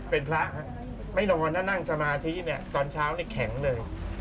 เป็นพระไม่นอนนั่งสมาธิตอนเช้าแข็งเลย